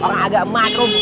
orang agak emak rum